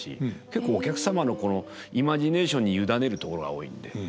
結構お客様のイマジネーションに委ねるところが多いんで。